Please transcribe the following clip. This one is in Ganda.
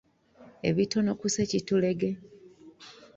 Ebitono ku ssekitulege.